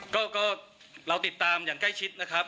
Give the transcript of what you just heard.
ก็เราติดตามอย่างใกล้ชิดนะครับ